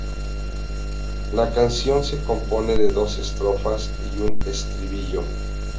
La canción se compone de dos estrofas y un estribillo.